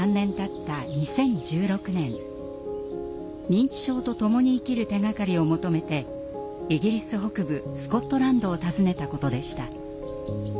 認知症とともに生きる手がかりを求めてイギリス北部スコットランドを訪ねたことでした。